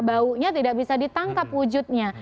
baunya tidak bisa ditangkap wujudnya